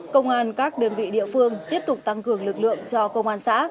công an các đơn vị địa phương tiếp tục tăng cường lực lượng cho công an xã